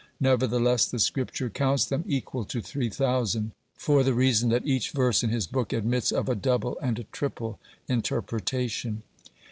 Nevertheless the Scripture counts them equal to three thousand, for the reason that each verse in his book admits of a double and a triple interpretation.